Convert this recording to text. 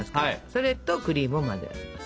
それとクリームを混ぜ合わせます。